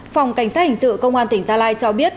phòng cảnh sát hình sự công an tỉnh gia lai cho biết